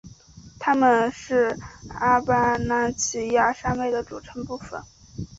它们是阿巴拉契亚山脉的组成部分。